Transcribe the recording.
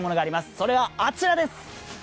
それはあちらです。